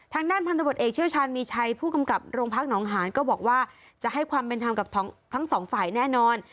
ทางด้านพันธบทเอกเชี่ยวชาญมีชัยผู้กำกับโรงพักหนองหานก็บอกว่าจะให้ความเป็นธรรมกับทั้งสองฝ่ายแน่นอน